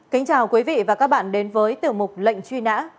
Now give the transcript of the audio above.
kính chào quý vị và các bạn đến với tiểu mục lệnh truy nã